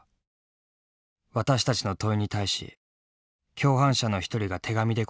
私たちの問いに対し共犯者の一人が手紙で答えた。